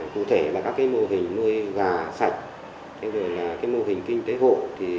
cụ thể là các mô hình nuôi gà sạch mô hình kinh tế hộ